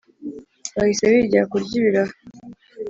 Bahise bigira kurya ibiraha